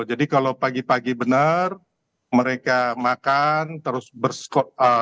jadi kalau pagi pagi benar mereka makan terus berse